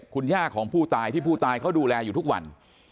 คุณย่าของผู้ตายที่ผู้ตายเขาดูแลอยู่ทุกวัน